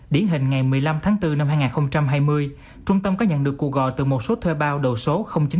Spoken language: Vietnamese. điển hình ngày một mươi năm tháng bốn năm hai nghìn hai mươi trung tâm có nhận được cuộc gọi từ một số thuê bao đầu số chín